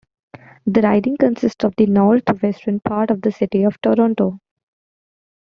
The riding consists of the northwestern part of the City of Toronto.